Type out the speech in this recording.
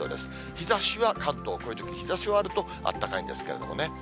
日ざしは関東、こういうとき、日ざしはあると、あったかいんですけれどもね。